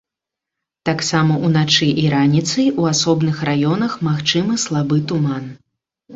Таксама ўначы і раніцай у асобных раёнах магчымы слабы туман.